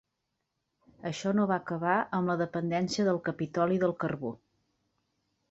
Això no va acabar amb la dependència del Capitoli del carbó.